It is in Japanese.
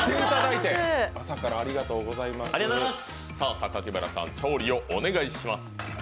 榊原さん、調理をお願いします。